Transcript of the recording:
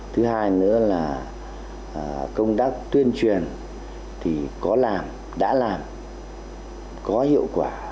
thứ hai nữa là công tác tuyên truyền thì có làm đã làm có hiệu quả